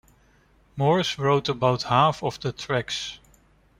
Morse wrote about half of the tracks.